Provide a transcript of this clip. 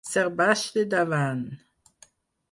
Ser baix de davant.